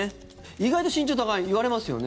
意外と身長高いって言われますよね。